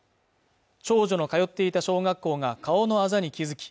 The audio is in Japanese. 長女のかよっていた小学校が顔のあざに気付き